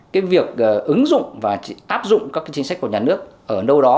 cái việc ứng dụng và áp dụng các cái chính sách của nhà nước ở đâu đó